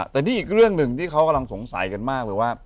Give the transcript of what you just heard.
แต่นี่อีกเรื่องหนึ่งที่เขากำลังสงสัยกันมากเลยว่า